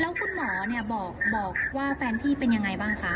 แล้วคุณหมอเนี่ยบอกว่าแฟนพี่เป็นยังไงบ้างคะ